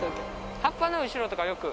葉っぱの後ろとかよく。